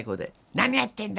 「何やってんだ！